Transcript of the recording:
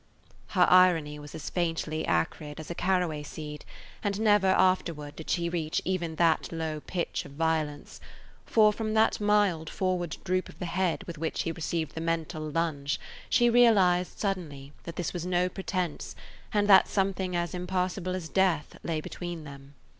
Her irony was as faintly acrid as a [Page 120] caraway seed, and never afterward did she reach even that low pitch of violence; for from that mild, forward droop of the head with which he received the mental lunge she realized suddenly that this was no pretense and that something as impassable as death lay between them.